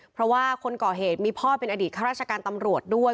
เพราะว่าคนก่อเหตุมีพ่อเป็นอดีตข้าราชการตำรวจด้วย